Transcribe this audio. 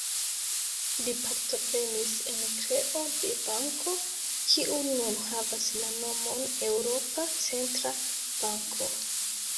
Li partoprenis en kreo de banko, kiu nun havas la nomon Eŭropa Centra Banko.